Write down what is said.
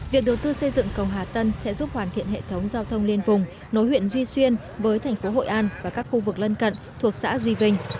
việc đầu tư xây dựng cầu hà tân sẽ giúp hoàn thiện hệ thống giao thông liên vùng nối huyện duy xuyên với thành phố hội an và các khu vực lân cận thuộc xã duy vinh